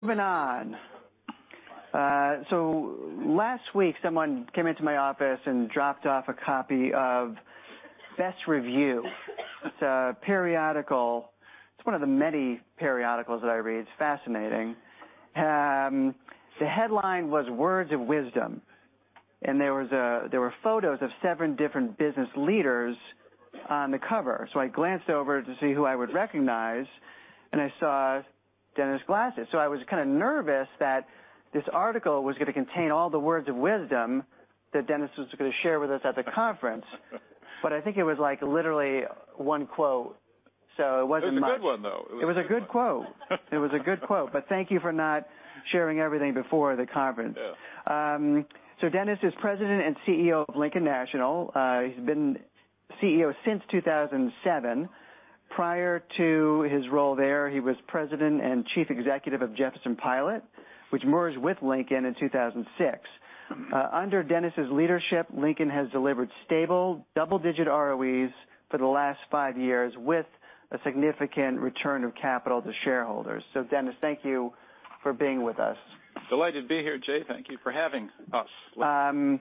Last week, someone came into my office and dropped off a copy of Best's Review. It's a periodical. It's one of the many periodicals that I read. It's fascinating. The headline was Words of Wisdom, and there were photos of seven different business leaders on the cover. I glanced over to see who I would recognize, and I saw Dennis Glass. I was kind of nervous that this article was going to contain all the words of wisdom that Dennis was going to share with us at the conference. I think it was literally one quote, so it wasn't much. It was a good one, though. It was a good quote. Thank you for not sharing everything before the conference. Yeah. Dennis is President and CEO of Lincoln National. He's been CEO since 2007. Prior to his role there, he was President and Chief Executive of Jefferson-Pilot, which merged with Lincoln in 2006. Under Dennis's leadership, Lincoln has delivered stable double-digit ROEs for the last five years with a significant return of capital to shareholders. Dennis, thank you for being with us. Delighted to be here, Jay. Thank you for having us. What I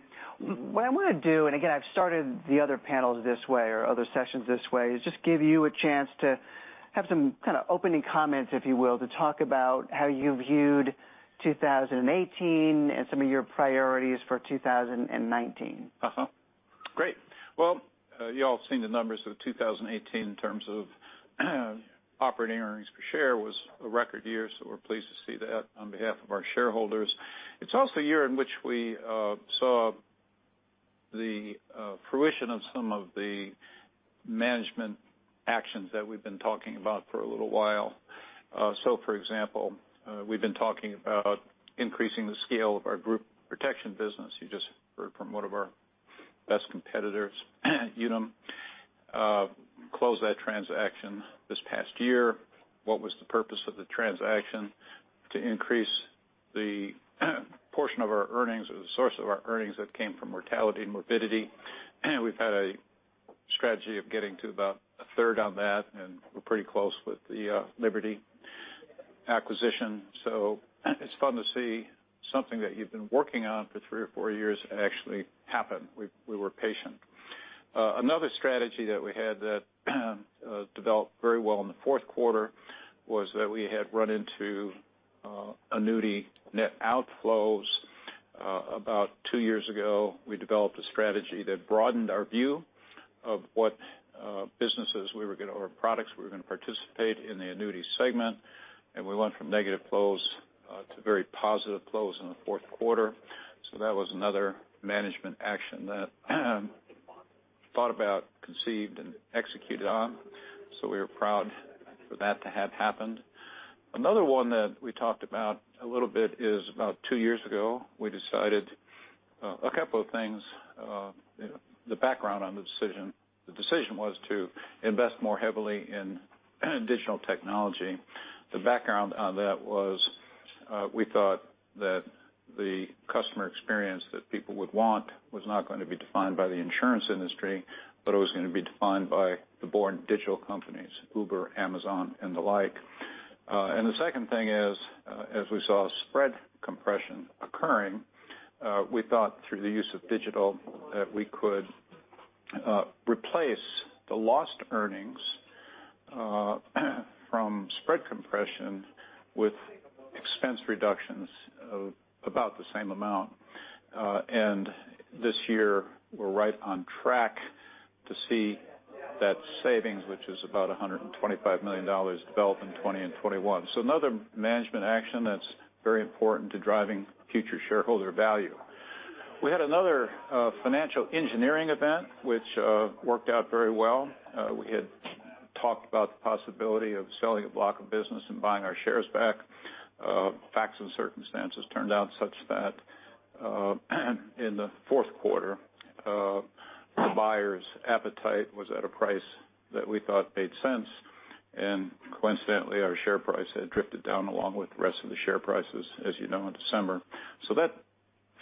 want to do, again, I've started the other panels this way, other sessions this way, is just give you a chance to have some kind of opening comments, if you will, to talk about how you viewed 2018 and some of your priorities for 2019. Great. Well, you all have seen the numbers of 2018 in terms of operating earnings per share was a record year, we're pleased to see that on behalf of our shareholders. It's also a year in which we saw the fruition of some of the management actions that we've been talking about for a little while. For example, we've been talking about increasing the scale of our group protection business. You just heard from one of our best competitors, Unum. Closed that transaction this past year. What was the purpose of the transaction? To increase the portion of our earnings or the source of our earnings that came from mortality and morbidity. We've had a strategy of getting to about a third on that, we're pretty close with the Liberty acquisition. It's fun to see something that you've been working on for three or four years actually happen. We were patient. Another strategy that we had that developed very well in the fourth quarter was that we had run into annuity net outflows. About two years ago, we developed a strategy that broadened our view of what businesses or what products were going to participate in the annuity segment. We went from negative flows to very positive flows in the fourth quarter. That was another management action that thought about, conceived, and executed on. We were proud for that to have happened. Another one that we talked about a little bit is about two years ago, we decided a couple of things. The background on the decision, the decision was to invest more heavily in digital technology. The background on that was we thought that the customer experience that people would want was not going to be defined by the insurance industry, but it was going to be defined by the born digital companies, Uber, Amazon, and the like. The second thing is, as we saw spread compression occurring, we thought through the use of digital, that we could replace the lost earnings from spread compression with expense reductions of about the same amount. This year, we're right on track to see that savings, which is about $125 million, develop in 2020 and 2021. Another management action that's very important to driving future shareholder value. We had another financial engineering event, which worked out very well. We had talked about the possibility of selling a block of business and buying our shares back. Facts and circumstances turned out such that in the fourth quarter, the buyer's appetite was at a price that we thought made sense. Coincidentally, our share price had drifted down along with the rest of the share prices, as you know, in December. That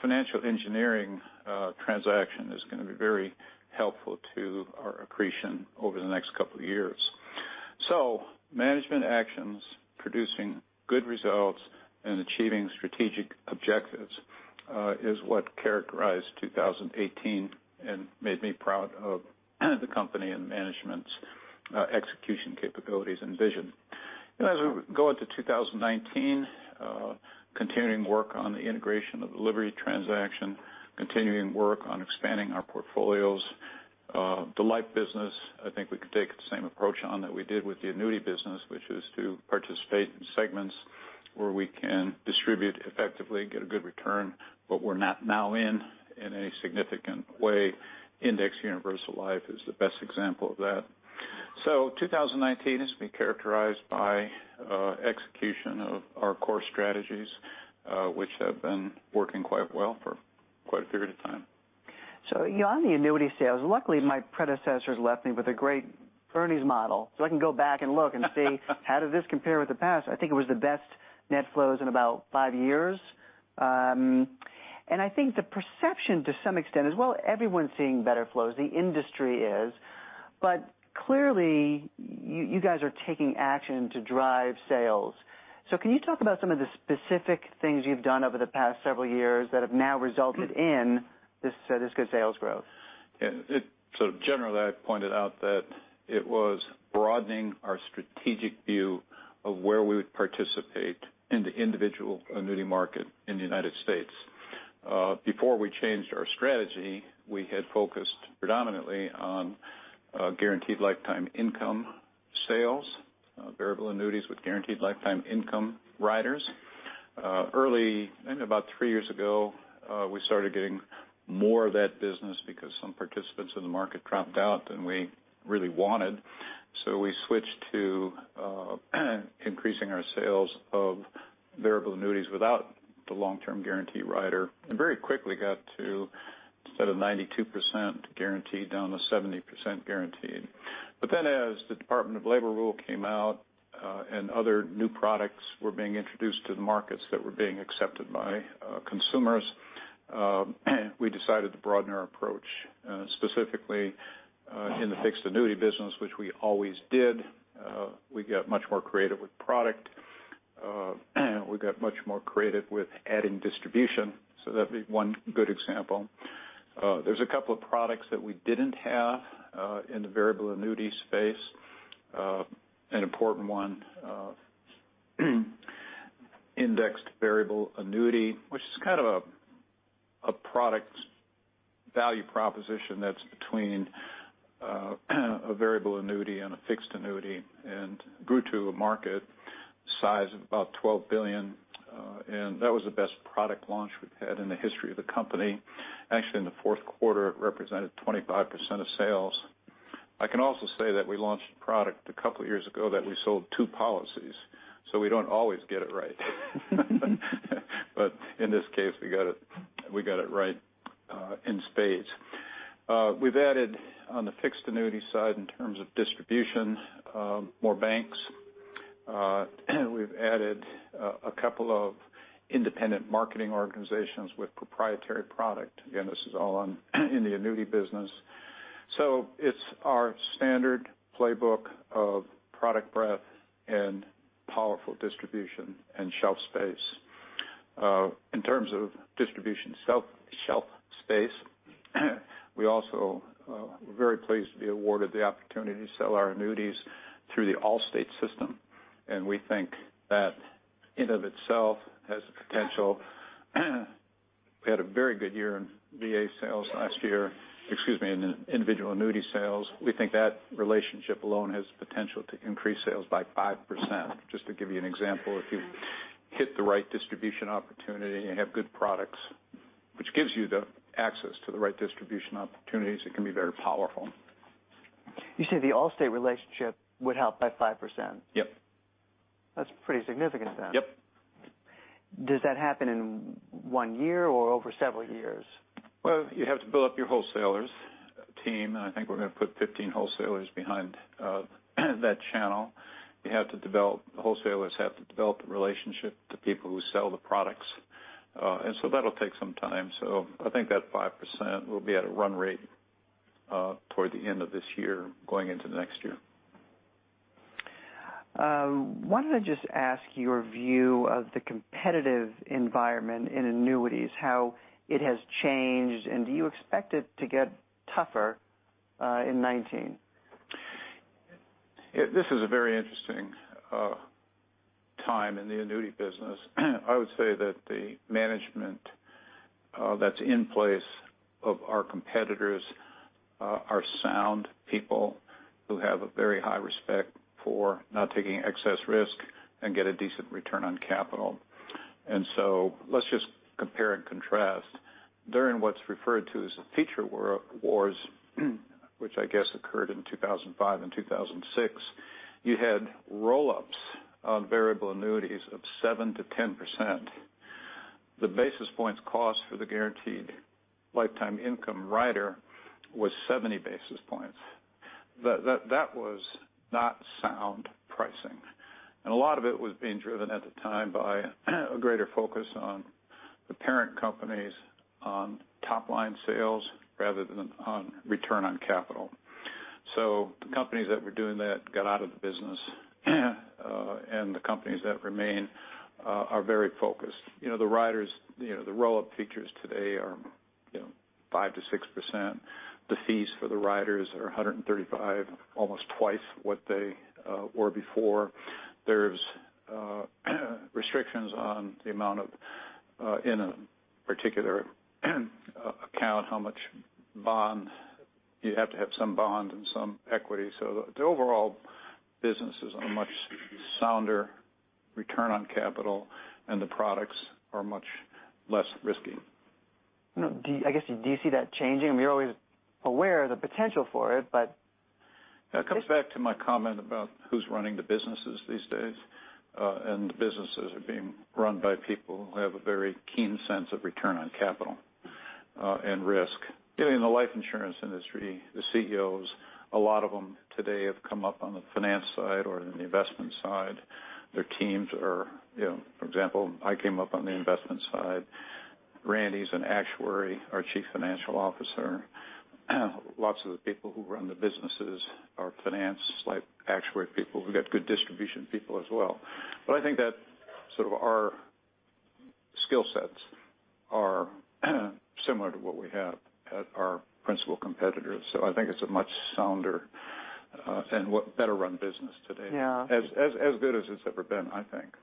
financial engineering transaction is going to be very helpful to our accretion over the next couple of years. Management actions producing good results and achieving strategic objectives is what characterized 2018 and made me proud of the company and management's execution capabilities and vision. As we go into 2019, continuing work on the integration of the Liberty transaction, continuing work on expanding our portfolios. The life business, I think we can take the same approach on that we did with the annuity business, which is to participate in segments where we can distribute effectively, get a good return, but we're not now in any significant way. Indexed universal life is the best example of that. 2019 has been characterized by execution of our core strategies, which have been working quite well for quite a period of time. On the annuity sales, luckily my predecessors left me with a great earnings model, so I can go back and look and see how does this compare with the past? I think it was the best net flows in about five years. I think the perception, to some extent, is, well, everyone's seeing better flows. The industry is. Clearly, you guys are taking action to drive sales. Can you talk about some of the specific things you've done over the past several years that have now resulted in this good sales growth? Yeah. Generally, I pointed out that it was broadening our strategic view of where we would participate in the individual annuity market in the U.S. Before we changed our strategy, we had focused predominantly on guaranteed lifetime income sales, variable annuities with guaranteed lifetime income riders. Early, I think about three years ago, we started getting more of that business because some participants in the market dropped out than we really wanted. We switched to increasing our sales of variable annuities without the long-term guarantee rider, and very quickly got to instead of 92% guaranteed down to 70% guaranteed. As the Department of Labor rule came out, and other new products were being introduced to the markets that were being accepted by consumers, we decided to broaden our approach, specifically in the fixed annuity business, which we always did. We got much more creative with product. We got much more creative with adding distribution. That'd be one good example. There's a couple of products that we didn't have in the variable annuity space. An important one, indexed variable annuity, which is kind of a product value proposition that's between a variable annuity and a fixed annuity, and grew to a market size of about $12 billion. That was the best product launch we've had in the history of the company. Actually, in the fourth quarter, it represented 25% of sales. I can also say that we launched a product a couple of years ago that we sold two policies, we don't always get it right. In this case, we got it right in spades. We've added on the fixed annuity side in terms of distribution, more banks. We've added a couple of independent marketing organizations with proprietary product. Again, this is all in the annuity business. It's our standard playbook of product breadth and powerful distribution and shelf space. In terms of distribution shelf space, we also were very pleased to be awarded the opportunity to sell our annuities through the Allstate system, and we think that in of itself has the potential. We had a very good year in VA sales last year, excuse me, in individual annuity sales. We think that relationship alone has potential to increase sales by 5%. Just to give you an example, if you hit the right distribution opportunity and have good products, which gives you the access to the right distribution opportunities, it can be very powerful. You say the Allstate relationship would help by 5%? Yep. That's pretty significant then. Yep. Does that happen in one year or over several years? Well, you have to build up your wholesalers team, and I think we're going to put 15 wholesalers behind that channel. The wholesalers have to develop the relationship to people who sell the products. That'll take some time. I think that 5% will be at a run rate toward the end of this year, going into the next year. Wanted to just ask your view of the competitive environment in annuities, how it has changed, and do you expect it to get tougher in 2019? This is a very interesting time in the annuity business. I would say that the management that's in place of our competitors are sound people who have a very high respect for not taking excess risk and get a decent return on capital. Let's just compare and contrast. During what's referred to as the feature wars, which I guess occurred in 2005 and 2006, you had roll-ups on variable annuities of 7%-10%. The basis points cost for the guaranteed lifetime income rider was 70 basis points. That was not sound pricing. A lot of it was being driven at the time by a greater focus on the parent companies on top-line sales rather than on return on capital. The companies that were doing that got out of the business, and the companies that remain are very focused. The riders, the roll-up features today are 5%-6%. The fees for the riders are 135, almost twice what they were before. There's restrictions on the amount in a particular account, how much bond. You have to have some bond and some equity. The overall business is a much sounder return on capital, and the products are much less risky. I guess, do you see that changing? I mean, you're always aware of the potential for it. That comes back to my comment about who's running the businesses these days, the businesses are being run by people who have a very keen sense of return on capital and risk. In the life insurance industry, the CEOs, a lot of them today have come up on the finance side or in the investment side. Their teams are, for example, I came up on the investment side Randy's an actuary, our Chief Financial Officer. Lots of the people who run the businesses are finance-like actuary people. We've got good distribution people as well. I think that our skill sets are similar to what we have at our principal competitors. I think it's a much sounder and better-run business today. Yeah. As good as it's ever been, I think.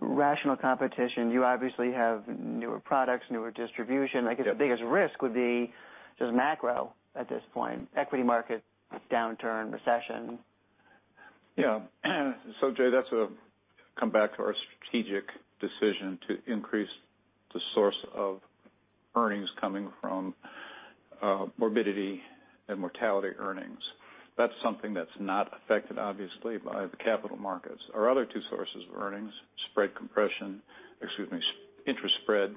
Rational competition. You obviously have newer products, newer distribution. Yeah. I guess the biggest risk would be just macro at this point, equity market downturn, recession. Yeah. Jay, that's come back to our strategic decision to increase the source of earnings coming from morbidity and mortality earnings. That's something that's not affected, obviously, by the capital markets. Our other two sources of earnings, spread compression-- excuse me, interest spread,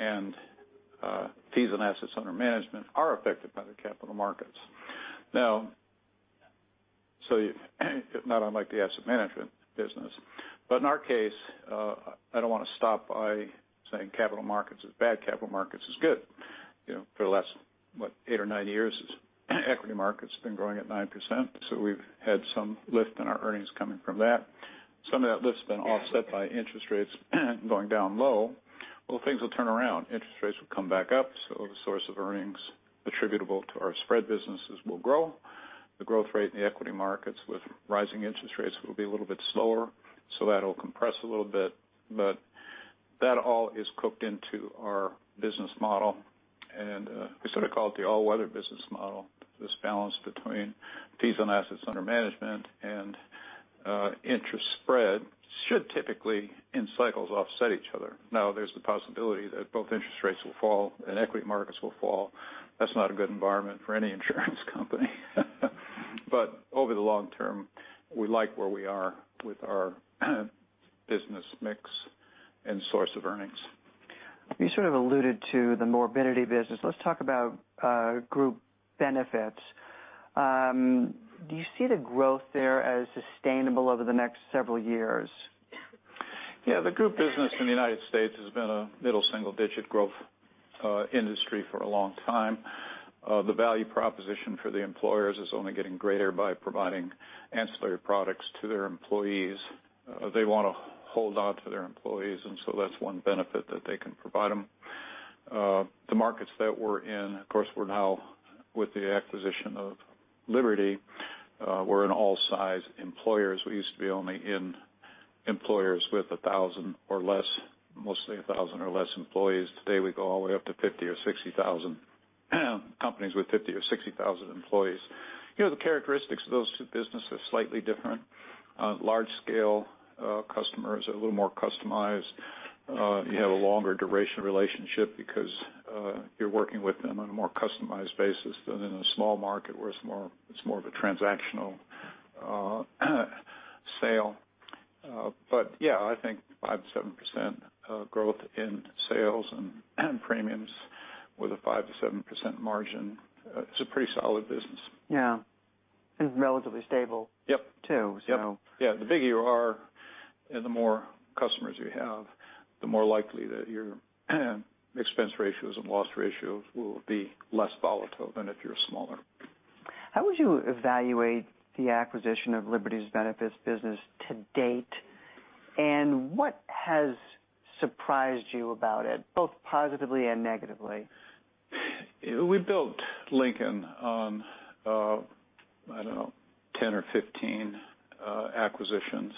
and fees on assets under management, are affected by the capital markets. Now, if not unlike the asset management business. In our case, I don't want to stop by saying capital markets is bad, capital markets is good. For the last, what, eight or nine years, equity market's been growing at 9%, so we've had some lift in our earnings coming from that. Some of that lift's been offset by interest rates going down low. Well, things will turn around. Interest rates will come back up, so the source of earnings attributable to our spread businesses will grow. The growth rate in the equity markets with rising interest rates will be a little bit slower, that'll compress a little bit. That all is cooked into our business model, and we call it the all-weather business model. This balance between fees on assets under management and interest spread should typically, in cycles, offset each other. There's the possibility that both interest rates will fall and equity markets will fall. That's not a good environment for any insurance company. Over the long term, we like where we are with our business mix and source of earnings. You sort of alluded to the morbidity business. Let's talk about group benefits. Do you see the growth there as sustainable over the next several years? Yeah. The group business in the U.S. has been a middle single-digit growth industry for a long time. The value proposition for the employers is only getting greater by providing ancillary products to their employees. They want to hold onto their employees, that's one benefit that they can provide them. The markets that we're in, of course, we're now with the acquisition of Liberty, we're in all size employers. We used to be only in employers with 1,000 or less, mostly 1,000 or less employees. Today, we go all the way up to 50,000 or 60,000 companies with 50,000 or 60,000 employees. The characteristics of those two business are slightly different. Large scale customers are a little more customized. You have a longer duration relationship because you're working with them on a more customized basis than in a small market where it's more of a transactional sale. Yeah, I think 5%-7% growth in sales and premiums with a 5%-7% margin, it's a pretty solid business. Yeah. relatively stable- Yep too. Yeah. The bigger you are and the more customers you have, the more likely that your expense ratios and loss ratios will be less volatile than if you're smaller. How would you evaluate the acquisition of Liberty's Benefits business to date, and what has surprised you about it, both positively and negatively? We built Lincoln on, I don't know, 10 or 15 acquisitions.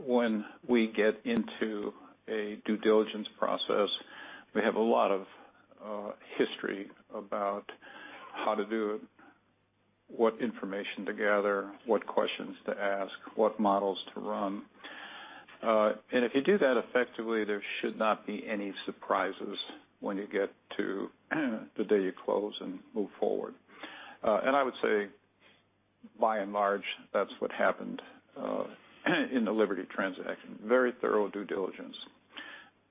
When we get into a due diligence process, we have a lot of history about how to do it, what information to gather, what questions to ask, what models to run. If you do that effectively, there should not be any surprises when you get to the day you close and move forward. I would say by and large, that's what happened in the Liberty transaction. Very thorough due diligence.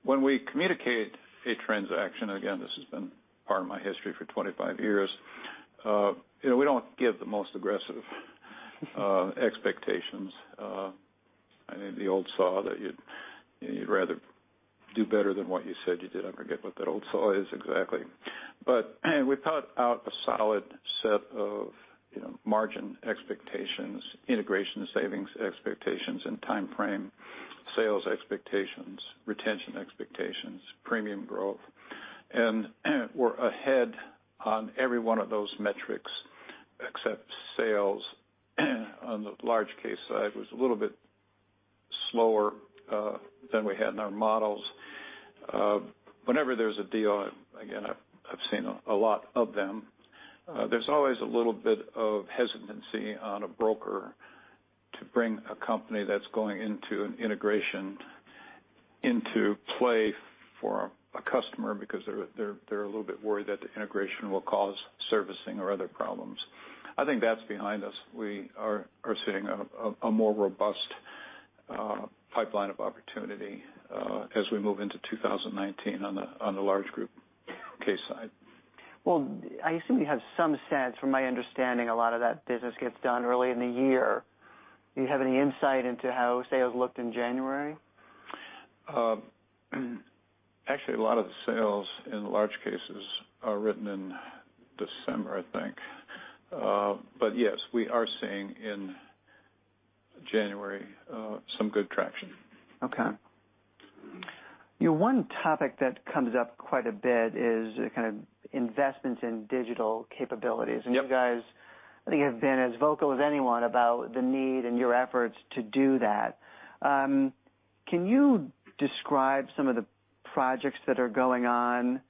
When we communicate a transaction, again, this has been part of my history for 25 years, we don't give the most aggressive expectations. I know the old saw that you'd rather do better than what you said you did. I forget what that old saw is exactly. We thought out a solid set of margin expectations, integration savings expectations, and timeframe sales expectations, retention expectations, premium growth. We're ahead on every one of those metrics except sales on the large case side was a little bit slower than we had in our models. Whenever there's a deal, again I've seen a lot of them, there's always a little bit of hesitancy on a broker to bring a company that's going into an integration into play for a customer because they're a little bit worried that the integration will cause servicing or other problems. I think that's behind us. We are seeing a more robust pipeline of opportunity as we move into 2019 on the large group case side. Well, I assume you have some sense. From my understanding, a lot of that business gets done early in the year. Do you have any insight into how sales looked in January? Actually, a lot of the sales, in large cases, are written in December, I think. Yes, we are seeing in January some good traction. One topic that comes up quite a bit is the kind of investments in digital capabilities. Yep. You guys, I think, have been as vocal as anyone about the need and your efforts to do that. Can you describe some of the projects that are going on?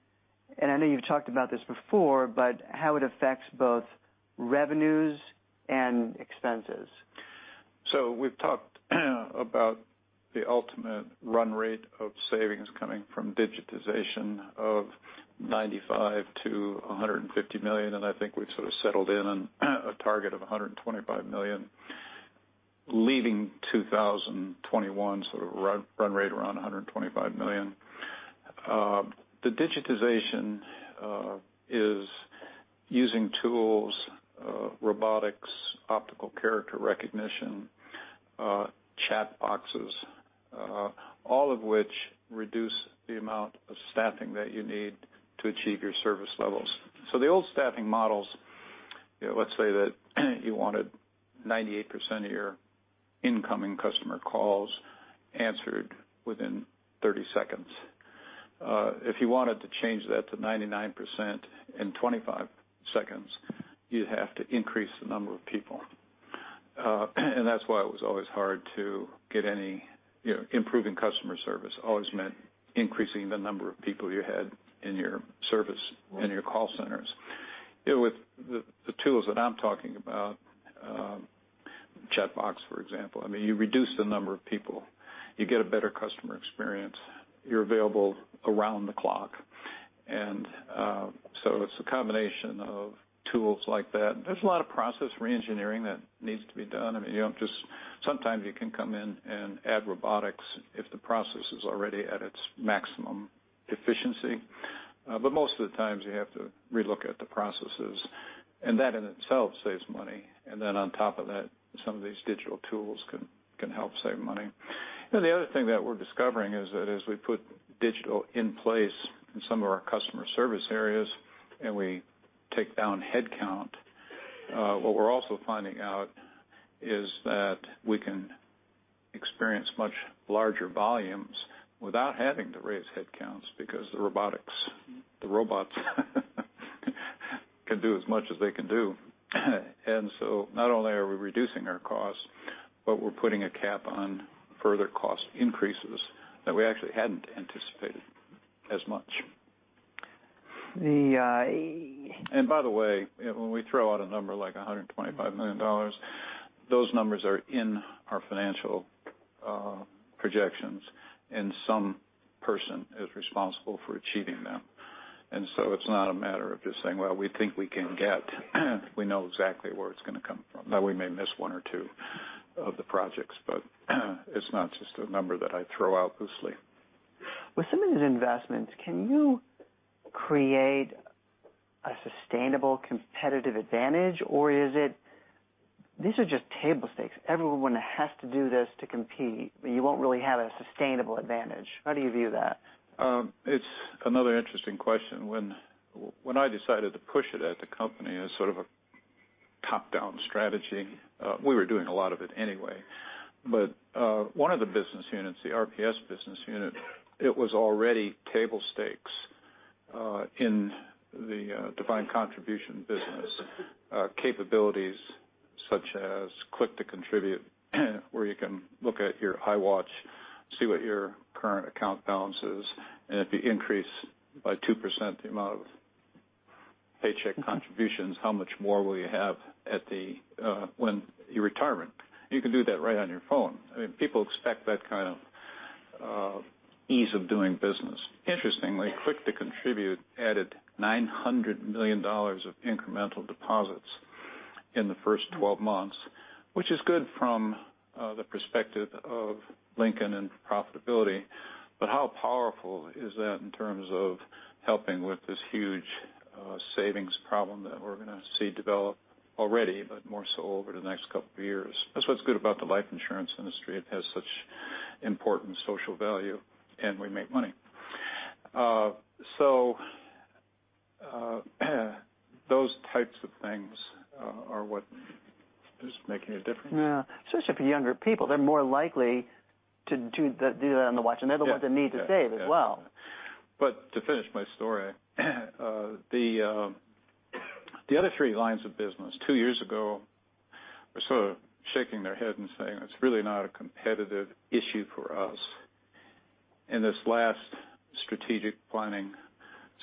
I know you've talked about this before, but how it affects both revenues and expenses. We've talked about the ultimate run rate of savings coming from digitization of $95 million-$150 million, I think we've sort of settled in on a target of $125 million, leaving 2021 sort of run rate around $125 million. The digitization is using tools, robotics, optical character recognition, chatbots all of which reduce the amount of staffing that you need to achieve your service levels. The old staffing models, let's say that you wanted 98% of your incoming customer calls answered within 30 seconds. If you wanted to change that to 99% in 25 seconds, you'd have to increase the number of people. That's why it was always hard to get improving customer service always meant increasing the number of people you had in your service- Right in your call centers. With the tools that I'm talking about, chatbot, for example. I mean, you reduce the number of people. You get a better customer experience. You're available around the clock. It's a combination of tools like that. There's a lot of process reengineering that needs to be done. I mean, you don't just sometimes you can come in and add robotics if the process is already at its maximum efficiency. Most of the times you have to relook at the processes, that in itself saves money. On top of that, some of these digital tools can help save money. The other thing that we're discovering is that as we put digital in place in some of our customer service areas, and we take down headcount, what we're also finding out is that we can experience much larger volumes without having to raise headcounts because the robots can do as much as they can do. Not only are we reducing our costs, but we're putting a cap on further cost increases that we actually hadn't anticipated as much. The- By the way, when we throw out a number like $125 million, those numbers are in our financial projections, and some person is responsible for achieving them. It's not a matter of just saying, "Well, we think we can get." We know exactly where it's going to come from. Now we may miss one or two of the projects, but it's not just a number that I throw out loosely. With some of these investments, can you create a sustainable competitive advantage or is it these are just table stakes? Everyone has to do this to compete, but you won't really have a sustainable advantage. How do you view that? It's another interesting question. When I decided to push it at the company as sort of a top-down strategy, we were doing a lot of it anyway. One of the business units, the RPS business unit, it was already table stakes in the defined contribution business capabilities such as Click to Contribute, where you can look at your Apple Watch, see what your current account balance is, and if you increase by 2% the amount of paycheck contributions how much more will you have when you retirement. You can do that right on your phone. I mean, people expect that kind of ease of doing business. Interestingly, Click to Contribute added $900 million of incremental deposits in the first 12 months, which is good from the perspective of Lincoln and profitability. How powerful is that in terms of helping with this huge savings problem that we're going to see develop already, but more so over the next couple of years? That's what's good about the life insurance industry. It has such important social value, and we make money. Those types of things are what is making a difference. Yeah. Especially for younger people. They're more likely to do that on the watch. Yeah They're the ones that need to save as well. To finish my story the other three lines of business, two years ago, were sort of shaking their head and saying, "It's really not a competitive issue for us." In this last strategic planning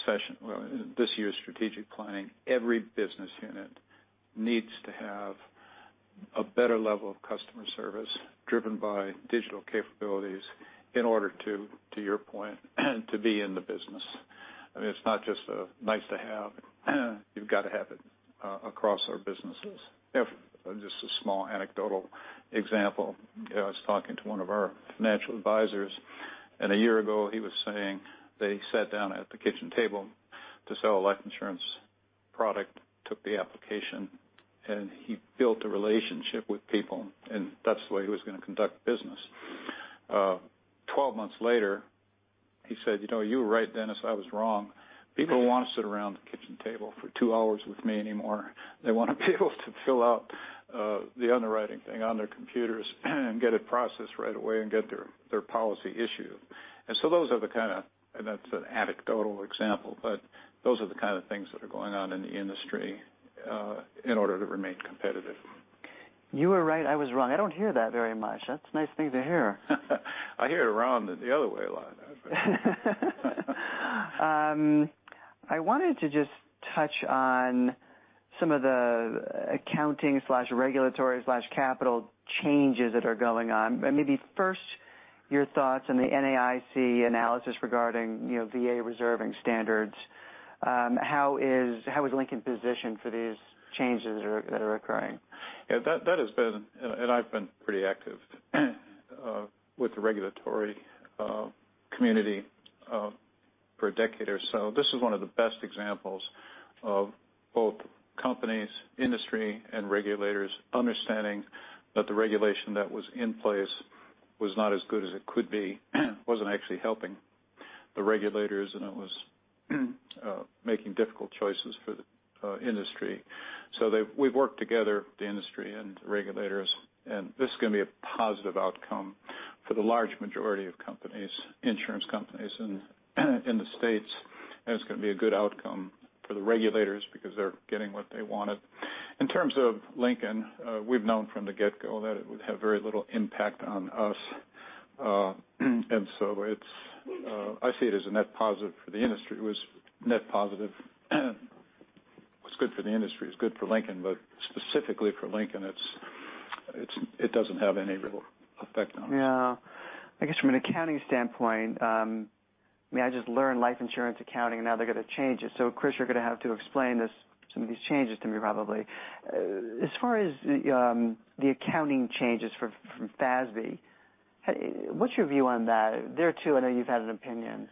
session, well, in this year's strategic planning, every business unit needs to have a better level of customer service driven by digital capabilities in order to your point, to be in the business. I mean, it's not just a nice to have. You've got to have it across our businesses. Just a small anecdotal example. I was talking to one of our financial advisors, and a year ago he was saying they sat down at the kitchen table to sell a life insurance product, took the application, and he built a relationship with people, and that's the way he was going to conduct business. 12 months later, he said, "You were right, Dennis. I was wrong. People don't want to sit around the kitchen table for two hours with me anymore. They want to be able to fill out the underwriting thing on their computers and get it processed right away and get their policy issued." That's an anecdotal example, but those are the kind of things that are going on in the industry in order to remain competitive. You were right. I was wrong." I don't hear that very much. That's a nice thing to hear. I hear it around the other way a lot. I wanted to just touch on some of the accounting/regulatory/capital changes that are going on. Maybe first, your thoughts on the NAIC analysis regarding VA reserving standards. How is Lincoln positioned for these changes that are occurring? I've been pretty active with the regulatory community for a decade or so. This is one of the best examples of both companies, industry, and regulators understanding that the regulation that was in place was not as good as it could be, wasn't actually helping the regulators, and it was making difficult choices for the industry. We've worked together, the industry and regulators, and this is going to be a positive outcome for the large majority of insurance companies in the States, and it's going to be a good outcome for the regulators because they're getting what they wanted. In terms of Lincoln, we've known from the get-go that it would have very little impact on us. I see it as a net positive for the industry. It was good for the industry, it's good for Lincoln, specifically for Lincoln, it doesn't have any real effect on us. I guess from an accounting standpoint, I just learned life insurance accounting, now they're going to change it. Chris, you're going to have to explain some of these changes to me, probably. As far as the accounting changes from FASB, what's your view on that? There too, I know you've had an opinion.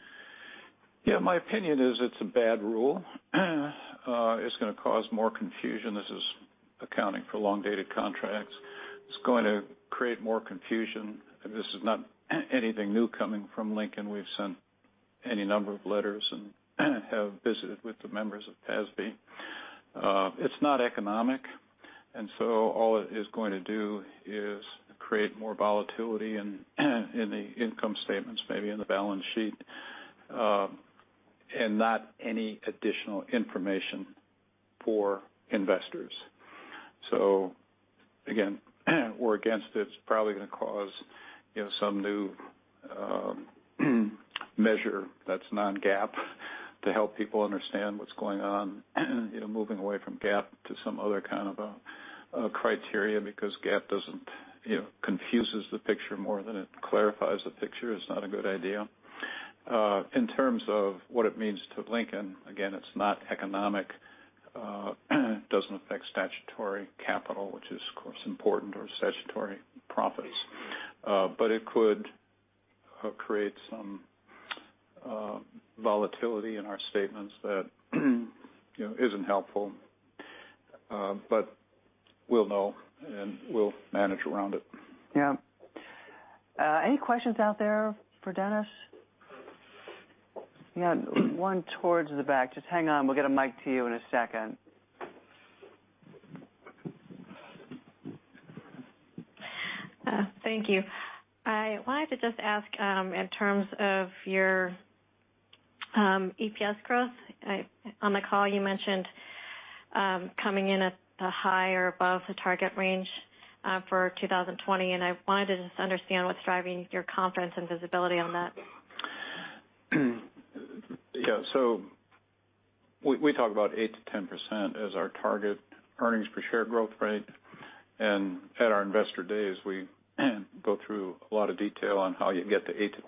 My opinion is it's a bad rule. It's going to cause more confusion. This is accounting for long-dated contracts. It's going to create more confusion. This is not anything new coming from Lincoln. We've sent any number of letters and have visited with the members of FASB. It's not economic, all it is going to do is create more volatility in the income statements, maybe in the balance sheet, and not any additional information for investors. Again, we're against it. It's probably going to cause some new measure that's non-GAAP to help people understand what's going on. Moving away from GAAP to some other kind of a criteria because GAAP confuses the picture more than it clarifies the picture. It's not a good idea. In terms of what it means to Lincoln, again, it's not economic. It doesn't affect statutory capital, which is of course important, or statutory profits. It could create some volatility in our statements that isn't helpful. We'll know, and we'll manage around it. Any questions out there for Dennis? One towards the back. Just hang on. We'll get a mic to you in a second. Thank you. I wanted to just ask, in terms of your EPS growth, on the call you mentioned coming in at a high or above the target range for 2020. I wanted to just understand what's driving your confidence and visibility on that. We talk about 8% to 10% as our target earnings per share growth rate. At our investor days, we go through a lot of detail on how you get to 8% to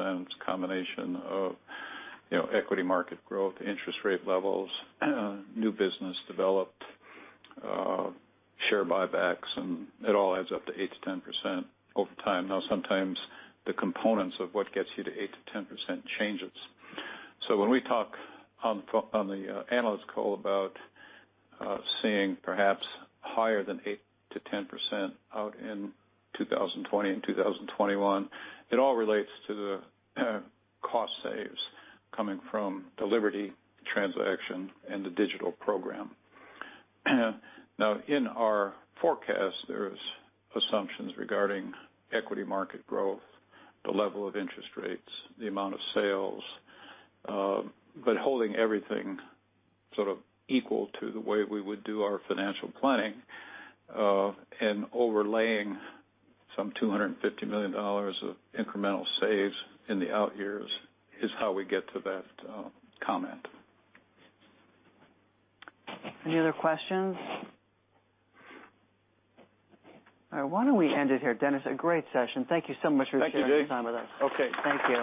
10%. It's a combination of equity market growth, interest rate levels, new business developed, share buybacks, and it all adds up to 8% to 10% over time. Sometimes the components of what gets you to 8% to 10% changes. When we talk on the analyst call about seeing perhaps higher than 8% to 10% out in 2020 and 2021, it all relates to the cost saves coming from the Liberty transaction and the digital program. In our forecast, there's assumptions regarding equity market growth, the level of interest rates, the amount of sales. Holding everything sort of equal to the way we would do our financial planning, and overlaying some $250 million of incremental saves in the out years is how we get to that comment. Any other questions? All right. Why don't we end it here? Dennis, a great session. Thank you so much for sharing- Thank you, Jay. some time with us. Okay. Thanks.